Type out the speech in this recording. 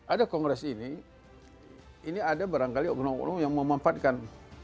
ada kongres ini ini ada barangkali orang orang yang memanfaatkan